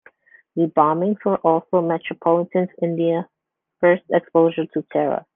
The bombings were also metropolitan India's first exposure to terror.